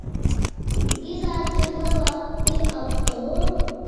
ئىككى سائەتتەكلا ۋاقتى قاپتىغۇ؟